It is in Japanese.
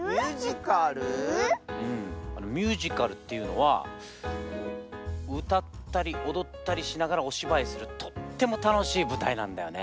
ミュージカルっていうのはうたったりおどったりしながらおしばいをするとってもたのしいぶたいなんだよね。